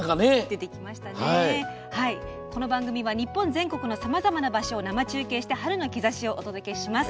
この番組は日本全国のさまざまな場所を生中継して春の兆しをお届けします。